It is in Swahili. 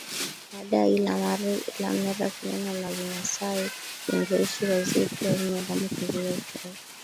Baada ya Ilamerak neno la kimasai linalohusu wazee pia hunywa damu kuzuia uchovu